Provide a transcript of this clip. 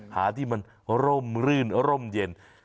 หาที่มันร่มรื่นร่มเย็น